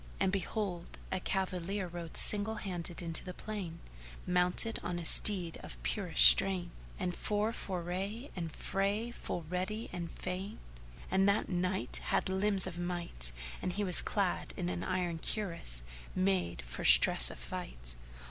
And behold a cavalier rode single handed into the plain, mounted on a steed of purest strain, and for foray and fray full ready and fain. And that Knight had limbs of might and he was clad in an iron cuirass made for stress of fight.